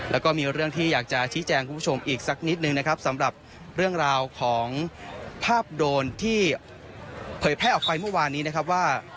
แล้วก็มีเรื่องที่อยากจะชี้แจงคุณผู้ชมอีกสักนิดนึงนะครับสำหรับเรื่องราวของภาพโดนที่เผยแพร่ออกไปเมื่อวานนี้นะครับว่า